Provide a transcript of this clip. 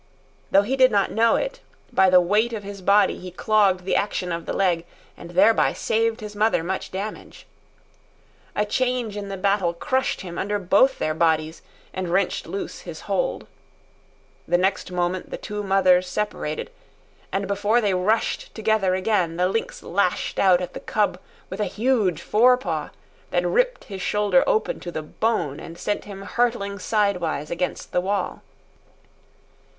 Though he did not know it, by the weight of his body he clogged the action of the leg and thereby saved his mother much damage. A change in the battle crushed him under both their bodies and wrenched loose his hold. The next moment the two mothers separated, and, before they rushed together again, the lynx lashed out at the cub with a huge fore paw that ripped his shoulder open to the bone and sent him hurtling sidewise against the wall.